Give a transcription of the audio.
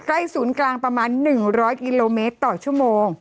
ศูนย์กลางประมาณ๑๐๐กิโลเมตรต่อชั่วโมง